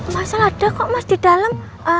mas el ada kok mas di dalam